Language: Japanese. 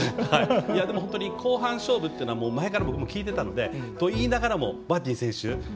本当に後半勝負というのは前から僕も聞いてたのでそういいながらもマーティン選手